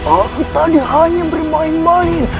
aku tadi hanya bermain main